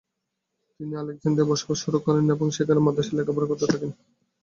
তিনি আলেক্সান্দ্রিয়ায় বসবাস শুরু করেন এবং সেখানে মাদ্রাসায় লেখাপড়া করতে থাকেন।